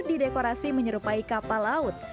didekorasi menyerupai kapal laut